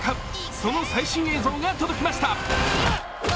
その最新映像が届きました。